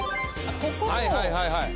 はいはいはい。